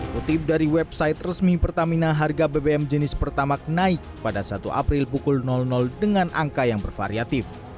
kutip dari website resmi pertamina harga bbm jenis pertamax naik pada satu april pukul dengan angka yang bervariatif